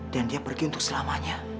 dan dia pergi untuk selamanya